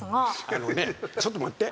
あのねちょっと待って。